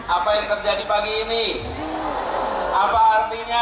apa yang terjadi pagi ini apa artinya